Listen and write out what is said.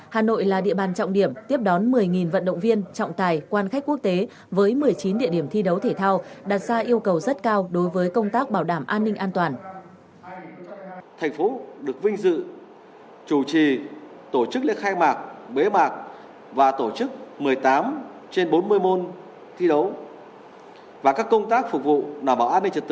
hà nội là địa bàn trọng điểm tiếp đón một mươi vận động viên trọng tài quan khách quốc tế với một mươi chín địa điểm thi đấu thể thao đặt ra yêu cầu rất cao đối với công tác bảo đảm an ninh an toàn